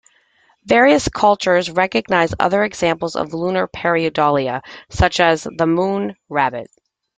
Various cultures recognise other examples of lunar pareidolia, such as the Moon rabbit.